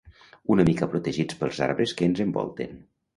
una mica protegits pels arbres que ens envolten